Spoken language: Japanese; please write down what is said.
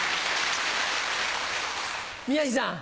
宮治さん。